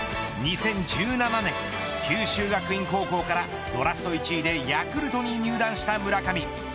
２０１７年九州学院高校からドラフト１位でヤクルトに入団した村上。